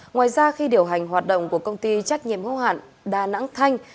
ngoài ra khi điều hành hoạt động của công ty trách nhiệm hô hạn đà nẵng thanh